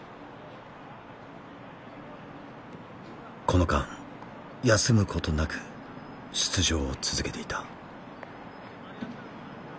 この間休むことなく出場を続けていた。